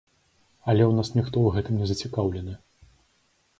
Але ў нас ніхто ў гэтым не зацікаўлены.